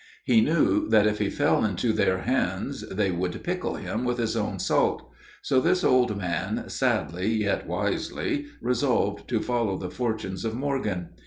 He knew that if he fell into their hands they would pickle him with his own salt. So this old man sadly yet wisely resolved to follow the fortunes of Morgan.